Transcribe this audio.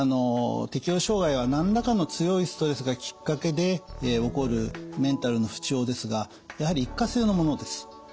適応障害は何らかの強いストレスがきっかけで起こるメンタルの不調ですがやはり一過性のものです。